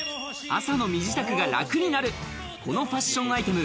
朝の身支度が楽になるこのファッションアイテム。